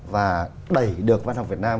và đẩy được văn học việt nam